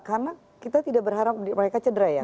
karena kita tidak berharap mereka cedera ya